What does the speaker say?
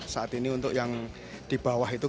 saat ini untuk yang dibawah itu